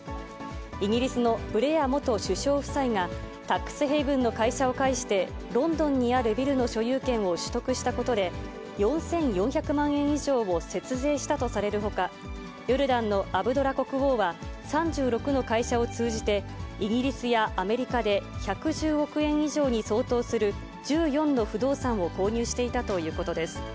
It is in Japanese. イギリスのブレア元首相夫妻がタックスヘイブンの会社を介して、ロンドンにあるビルの所有権を取得したことで、４４００万円以上を節税したとされるほか、ヨルダンのアブドラ国王は３６の会社を通じて、イギリスやアメリカで、１１０億円以上に相当する１４の不動産を購入していたということです。